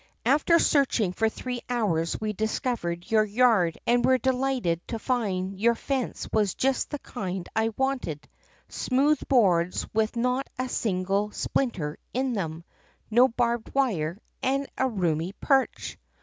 After searching for three hours we discovered your yard and were delighted to find that your fence was just the kind I wanted — smooth boards with not a single splinter in them, no barbed wire, and a roomy perch.